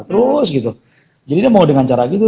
terus gitu jadi dia mau dengan cara gitu